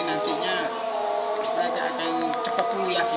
nantinya mereka akan cepat pulih lagi